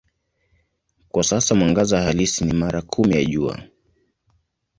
Kwa sasa mwangaza halisi ni mara kumi ya Jua.